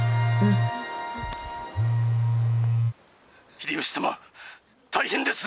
「秀吉様大変です！」。